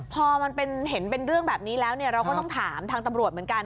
พอมันเห็นเป็นเรื่องแบบนี้แล้วเราก็ต้องถามทางตำรวจเหมือนกัน